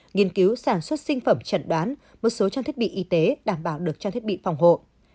nghiên cứu sản xuất sinh phẩm chẩn đoán một số trang thiết bị y tế đảm bảo được trang thiết bị phòng hộ